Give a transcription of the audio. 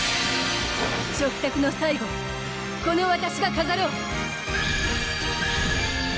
食卓の最後をこのわたしが飾ろう！